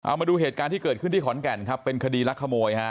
เอามาดูเหตุการณ์ที่เกิดขึ้นที่ขอนแก่นครับเป็นคดีรักขโมยฮะ